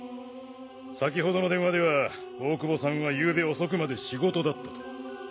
先程の電話では大久保さんはゆうべ遅くまで仕事だったと。